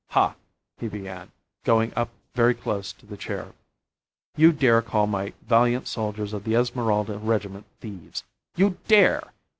"Ha!" he began, going up very close to the chair. "You dare call my valiant soldiers of the Esmeralda regiment, thieves. You dare!